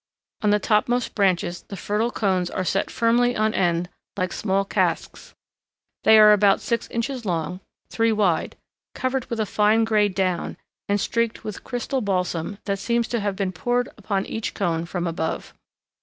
On the topmost branches the fertile cones are set firmly on end like small casks. They are about six inches long, three wide, covered with a fine gray down, and streaked with crystal balsam that seems to have been poured upon each cone from above.